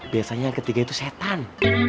biasanya yang ketiga itu setan